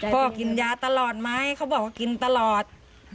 กินยาตลอดไหมเขาบอกว่ากินตลอด